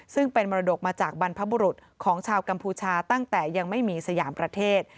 ซึ่งเป็นมรดกมาจากบรรพบุรุษของชาวกัมพูชาตั้งแต่ยังไม่มีสยามประเทศ